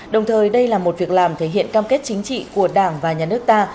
đồng thời đây là một việc làm thể hiện cam kết chính trị của đảng và nhà nước ta